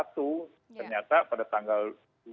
ternyata pada tanggal